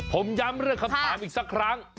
ผมย้ำเรื่องคำถามอีกสักครั้ง